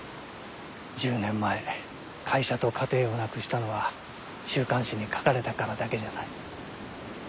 １０年前会社と家庭をなくしたのは週刊誌に書かれたからだけじゃない。